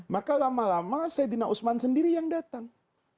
maka lama lama saidina usman sendiri yang datang